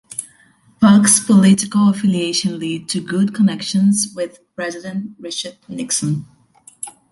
Perk's political affiliation lead to good connections with President Richard Nixon.